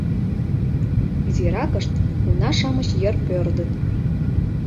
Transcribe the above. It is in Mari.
Изиракышт уна-шамыч йыр пӧрдыт.